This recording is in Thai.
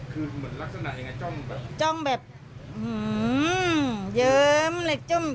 คือเหมือนลักษณะยังไงจ้องจ้องแบบหื้อเดี๋ยวอ๋มอะไรจ้อง